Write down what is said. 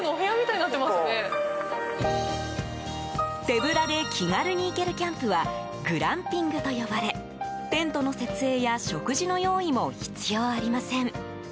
手ぶらで気軽に行けるキャンプはグランピングと呼ばれテントの設営や食事の用意も必要ありません。